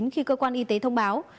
khi cơ quan y tế thông báo